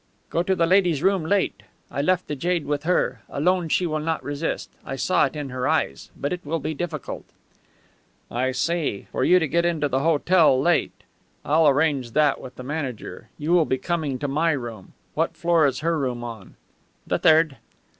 "Go to the lady's room late. I left the jade with her. Alone, she will not resist. I saw it in her eyes. But it will be difficult." "I see. For you to get into the hotel late. I'll arrange that with the manager. You will be coming to my room. What floor is her room on?" "The third."